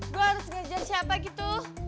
gue harus belajar siapa gitu